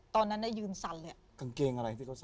ตอนนั้นยืนชันเลย